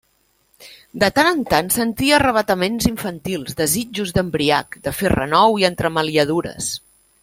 De tant en tant sentia arravataments infantils: desitjos d'embriac, de fer renou i entremaliadures.